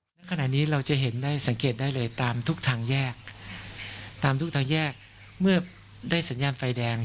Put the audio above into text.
ณขณะนี้เราจะเห็นได้สังเกตได้เลยตามทุกทางแยกตามทุกทางแยกเมื่อได้สัญญาณไฟแดง